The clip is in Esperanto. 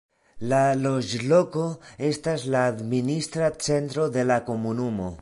La loĝloko estas la administra centro de la komunumo.